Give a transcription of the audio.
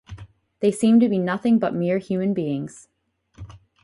They seem to be nothing but mere human beings.